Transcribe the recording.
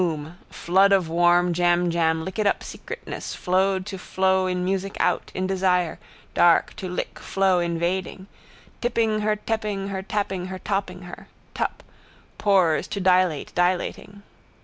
Bloom. Flood of warm jamjam lickitup secretness flowed to flow in music out, in desire, dark to lick flow invading. Tipping her tepping her tapping her topping her. Tup. Pores to dilate dilating.